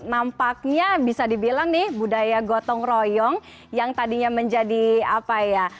nampaknya bisa dibilang nih budaya gotong royong yang tadinya menjadi apa ya